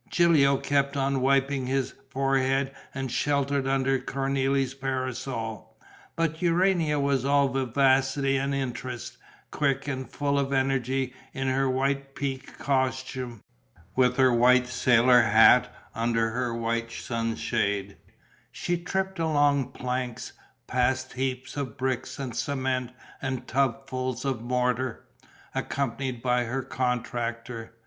Gilio kept on wiping his forehead and sheltered under Cornélie's parasol. But Urania was all vivacity and interest; quick and full of energy in her white piqué costume, with her white sailor hat under her white sun shade, she tripped along planks, past heaps of bricks and cement and tubs full of mortar, accompanied by her contractor.